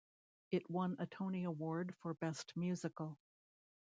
It won a Tony Award for Best Musical.